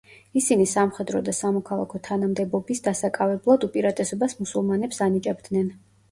ისინი სამხედრო და სამოქალაქო თანამდებობის დასაკავებლად უპირატესობას მუსულმანებს ანიჭებდნენ.